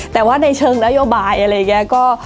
แต่ว่าในเชิงนโยบายอะไรอย่างนี้ก็